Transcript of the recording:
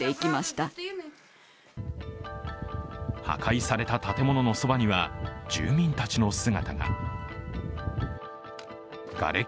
破壊された建物のそばには住民たちの姿が。